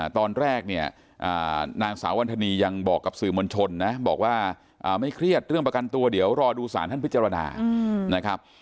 ตอนแรกเนี่ยนางสาววันธนียังบอกกับสื่อมวลชนนะบอกว่าไม่เครียดเรื่องประกันตัวเดี๋ยวรอดูสารท่านพิจารณานะครับ